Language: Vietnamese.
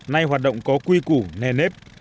nay hoạt động có quy củ nề nếp